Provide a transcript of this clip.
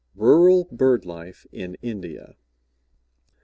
RURAL BIRD LIFE IN INDIA.